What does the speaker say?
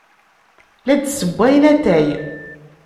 La d-ssewwayen atay.